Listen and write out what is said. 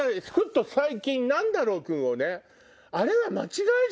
最近なんだろう君をね。